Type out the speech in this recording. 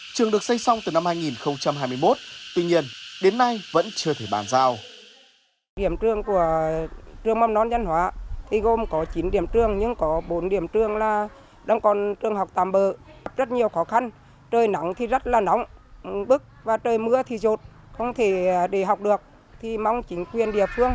trường được xây xong từ năm hai nghìn hai mươi một tuy nhiên đến nay vẫn chưa thể bàn giao